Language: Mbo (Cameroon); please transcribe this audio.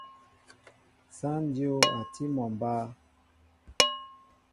Sááŋ dyów a tí mol mba.